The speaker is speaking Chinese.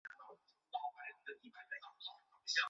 用于往有机分子中引入叠氮基团。